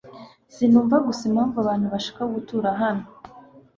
sinumva gusa impamvu abantu bashaka gutura hano